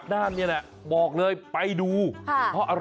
น้องอ้อน